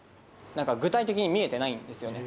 なんか具体的に見えてないんですよね。